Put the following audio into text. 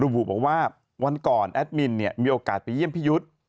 รุ่นผู้บอกว่าวันก่อนแอดมินเนี่ยมีโอกาสไปเยี่ยมพี่ยุทธ